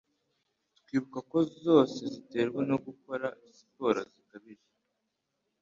twibuka ko zose ziterwa no gukora siporo zikabije